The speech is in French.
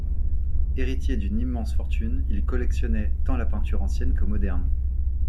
Héritier d’une immense fortune, il collectionnait tant la peinture ancienne que moderne.